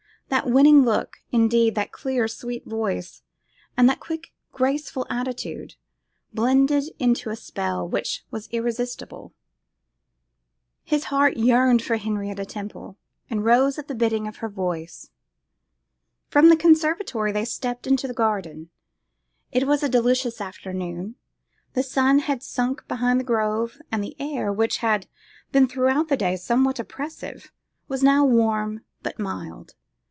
That winning look, indeed, that clear, sweet voice, and that quick graceful attitude, blended into a spell which was irresistible. His heart yearned for Henrietta Temple, and rose at the bidding of her voice. From the conservatory they stepped into the garden. It was a delicious afternoon; the sun had sunk behind the grove, and the air, which had been throughout the day somewhat oppressive, was now warm, but mild.